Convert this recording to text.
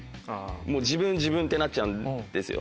「自分自分」ってなっちゃうんですよ。